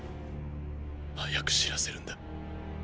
早く知らせるんだ。